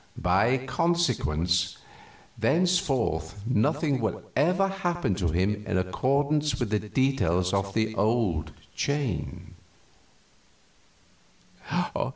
By consequence, thenceforth nothing will ever happen to him in accordance with the details of the old chain."